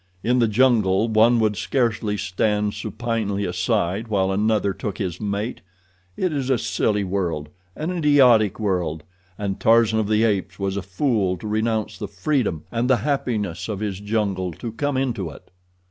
In the jungle one would scarcely stand supinely aside while another took his mate. It is a silly world, an idiotic world, and Tarzan of the Apes was a fool to renounce the freedom and the happiness of his jungle to come into it."